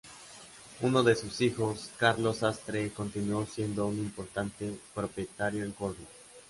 Uno de sus hijos, Carlos Sastre, continuó siendo un importante propietario en Córdoba.